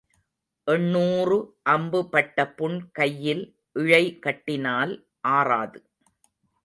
எண்ணூறு அம்பு பட்ட புண் கையில் இழை கட்டினால் ஆறாது.